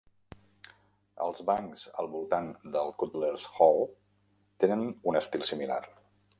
Els bancs al voltant del Cutlers' Hall tenen un estil similar.